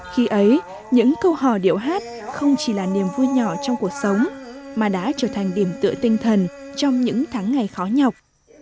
khi ấy những câu hò điệu hát không chỉ là niềm vui nhỏ trong cuộc sống mà đã trở thành điểm tựa tinh thần trong những tháng ngày khó nhọc